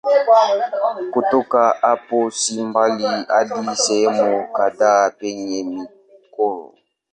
Kutoka hapo si mbali hadi sehemu kadhaa penye michoro.